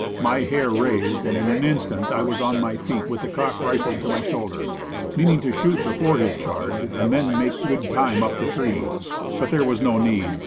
My hair raised, and in an instant I was on my feet with the cocked rifle to my shoulder meaning to shoot before his charge, and then make good time up the tree. But there was no need.